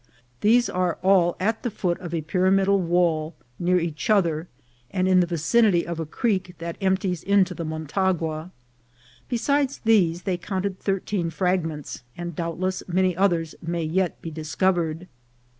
These are all at the foot of a pyramidal wall, near each other, and in the vicinity of a creek which empties into the Motagua. Besides these they counted thir teen fragments, and doubtless many others may yet be discovered.